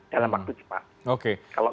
dalam waktu cepat kalau